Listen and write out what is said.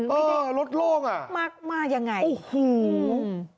ไม่ได้มากมายังไงอ๋อรถโลก